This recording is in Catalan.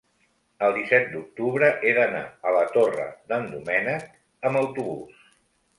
El disset d'octubre he d'anar a la Torre d'en Doménec amb autobús.